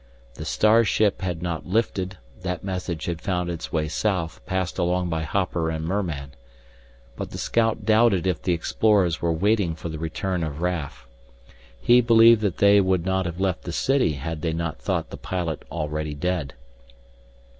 The star ship had not lifted, that message had found its way south, passed along by hopper and merman. But the scout doubted if the explorers were waiting for the return of Raf. He believed that they would not have left the city had they not thought the pilot already dead.